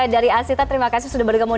dari asita terima kasih sudah bergabung